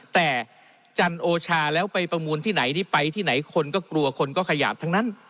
แต่จันโอชาแล้วไปประมูลที่ไหนนี่ไปที่ไหนคนก็กลัวคนก็ขยาบทั้งนั้น